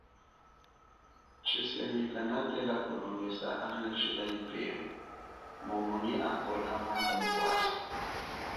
Tshisemi kanatela kulongesa ana jila ipema mumu nyi akola maka mukwasa.